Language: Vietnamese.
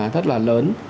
rất là lớn